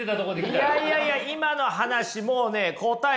いやいやいや今の話もうね答え